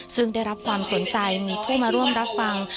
ซึ่งได้รับความสนใจมีผู้มาร่วมรับฟัง